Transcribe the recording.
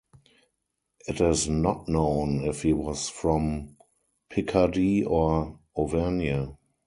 It is not known if he was from Picardie or Auvergne.